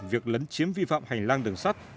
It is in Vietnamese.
việc lấn chiếm vi phạm hành lang đường sát